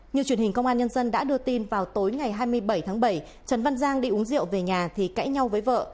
như truyền hình công an nhân dân đã đưa tin vào tối ngày hai mươi bảy tháng bảy trần văn giang đi uống rượu về nhà thì cãi nhau với vợ